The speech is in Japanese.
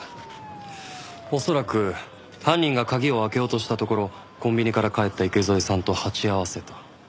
恐らく犯人が鍵を開けようとしたところコンビニから帰った池添さんと鉢合わせた。